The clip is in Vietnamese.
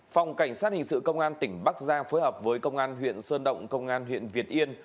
phòng cảnh sát hình sự công an tỉnh bắc giang phối hợp với công an huyện sơn động công an huyện việt yên